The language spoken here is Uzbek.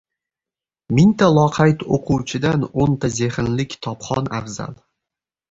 • Mingta loqayd o‘quvchidan o‘nta zehnli kitobxon afzal.